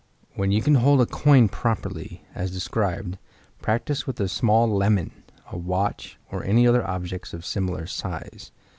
When you can hold a coin properly, as described, practice with a small lemon, a watch, or any other objects of similar size.